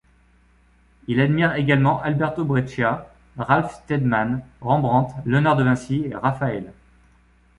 Il admire également Alberto Breccia, Ralph Steadman, Rembrandt, Léonard de Vinci et Raphaël.